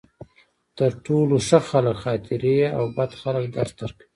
تر ټولو ښه خلک خاطرې او بد خلک درس درکوي.